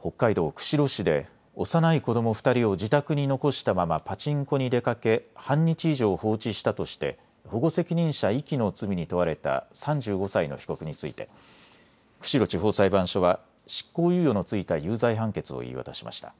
北海道釧路市で幼い子ども２人を自宅に残したままパチンコに出かけ半日以上、放置したとして保護責任者遺棄の罪に問われた３５歳の被告について釧路地方裁判所は執行猶予の付いた有罪判決を言い渡しました。